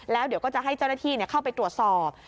แล้วเดี๋ยวก็จะให้เจ้าหน้าที่เข้าไปตรวจสอบ